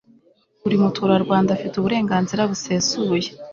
buri muturarwanda afite uburenganzira busesuye